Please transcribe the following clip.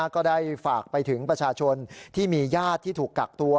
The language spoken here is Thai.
ก็ได้ฝากไปถึงประชาชนที่มีญาติที่ถูกกักตัว